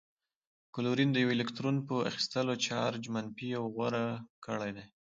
کلورین د یوه الکترون په اخیستلو چارج منفي یو غوره کړی دی.